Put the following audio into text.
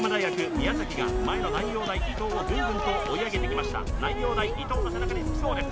宮崎が前の南葉大伊藤をぐんぐんと追い上げてきました南葉大伊藤の背中につきそうです